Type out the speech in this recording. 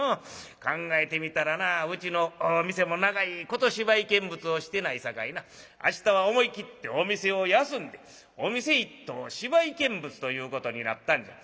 考えてみたらなうちの店も長いこと芝居見物をしてないさかいな明日は思い切ってお店を休んでお店一統芝居見物ということになったんじゃ。